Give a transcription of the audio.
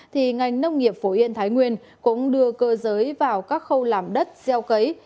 thì ngành nông nghiệp phổ yên thái nguyên cũng đưa cơ giới vào các khâu làm đất gieo cấy